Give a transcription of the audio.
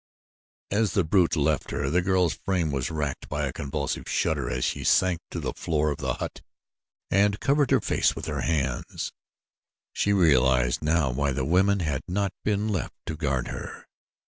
As the brute left her the girl's frame was racked by a convulsive shudder as she sank to the floor of the hut and covered her face with her hands. She realized now why the women had not been left to guard her.